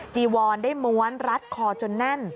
จีวอนได้ม้วนรัดคอจนแน่น